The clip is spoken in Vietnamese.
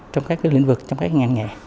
trong các lĩnh vực trong các ngành nghề